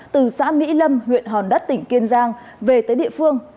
từ xã mỹ lâm huyện hòn đất tỉnh kiên giang về tới địa phương